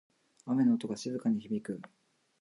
雨の音が静かに響く。